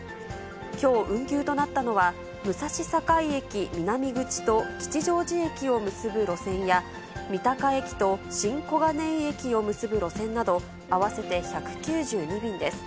きょう運休となったのは、武蔵境駅南口と吉祥寺駅を結ぶ路線や、三鷹駅と新小金井駅を結ぶ路線など、合わせて１９２便です。